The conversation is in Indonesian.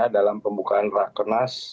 dalam pembukaan rakernas